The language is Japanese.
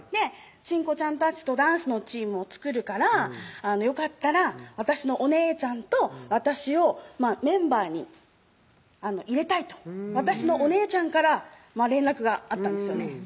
真子ちゃんたちとダンスのチームを作るからよかったら私のお姉ちゃんと私をメンバーに入れたいと私のお姉ちゃんから連絡があったんですよね